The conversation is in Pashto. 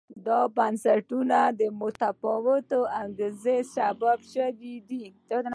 دا بنسټونه د متفاوتو انګېزو سبب شوي دي.